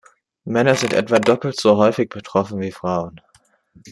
Männer sind etwa doppelt so häufig betroffen wie Frauen.